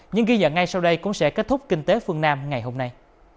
những ghi nhận ngay sau đây cũng sẽ kết thúc kinh tế phương nam ngày hôm nay